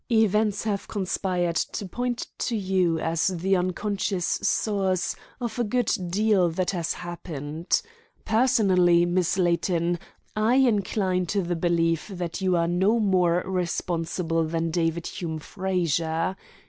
Events have conspired to point to you as the unconscious source of a good deal that has happened. Personally, Miss Layton, I incline to the belief that you are no more responsible than David Hume Frazer.